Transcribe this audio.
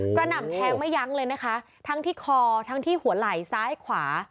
หน่ำแทงไม่ยั้งเลยนะคะทั้งที่คอทั้งที่หัวไหล่ซ้ายขวา